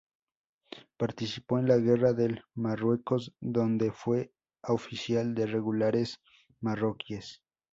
Participó en la Guerra de Marruecos, donde fue oficial de Regulares marroquíes.